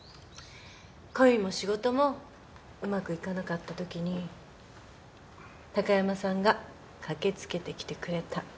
恋も仕事もうまくいかなかったときに高山さんが駆け付けてきてくれた。